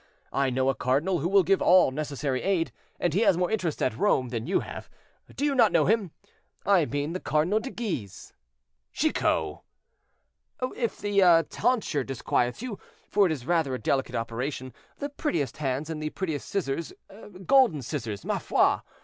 I know a cardinal who will give all necessary aid, and he has more interest at Rome than you have; do you not know him? I mean the Cardinal de Guise." "Chicot!" "And if the tonsure disquiets you, for it is rather a delicate operation, the prettiest hands and the prettiest scissors—golden scissors, ma foi!